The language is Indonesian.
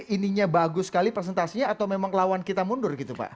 ininya bagus sekali presentasinya atau memang lawan kita mundur gitu pak